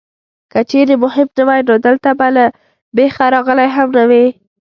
که چېرې مهم نه وای نو دلته به له بېخه راغلی هم نه وې.